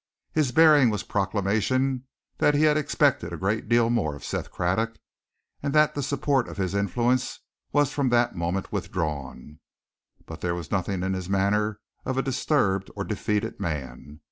His bearing was proclamation that he had expected a great deal more of Seth Craddock, and that the support of his influence was from that moment withdrawn. But there was nothing in his manner of a disturbed or defeated man.